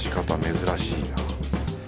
珍しいな。